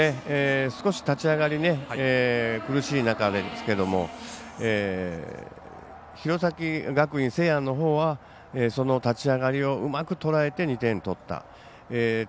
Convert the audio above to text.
少し、立ち上がり苦しい中ですけど弘前学院聖愛のほうは立ち上がりをうまくとらえて２点を取った。